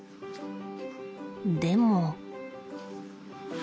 でも。